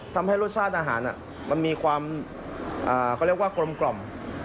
ทำให้รสชาติอาหารมันมีความกลมกล่อม